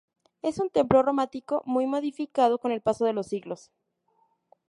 Es un templo románico muy modificado con el paso de los siglos.